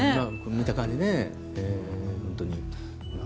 見た感じ、本当に。